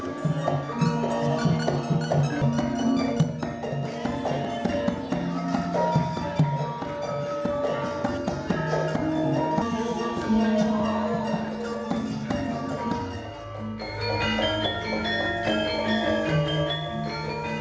pernaft topping ljiwa barata